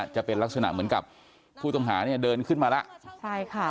จะเป็นลักษณะเหมือนกับผู้ต่ำหาเดินขึ้นมาแล้ว